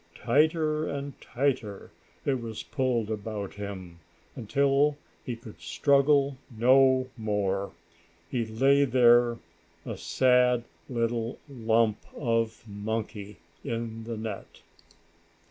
Tighter and tighter it was pulled about him, until he could struggle no more. He lay there, a sad little lump of monkey in the net.